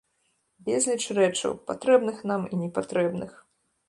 Безліч рэчаў, патрэбных нам і непатрэбных.